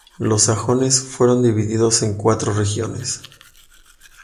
Los sajones fueron divididos en cuatro regiones.